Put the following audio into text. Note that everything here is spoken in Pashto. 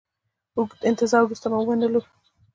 اوږده انتظار وروسته ومنلو.